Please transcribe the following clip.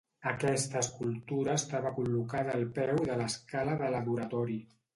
Aquesta escultura estava col·locada al peu de l'escala de l'adoratori.